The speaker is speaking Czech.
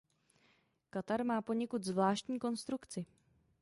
Katar má poněkud zvláštní konstrukci.